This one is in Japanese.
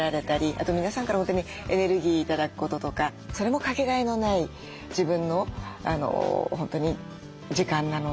あと皆さんから本当にエネルギー頂くこととかそれもかけがえのない自分の本当に時間なので。